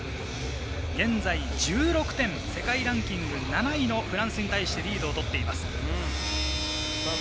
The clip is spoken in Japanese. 現在１６点、世界ランキング７位のフランスに対してリードをとっています。